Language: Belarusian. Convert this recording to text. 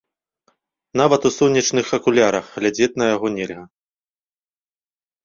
Нават у сонечных акулярах глядзець на яго нельга.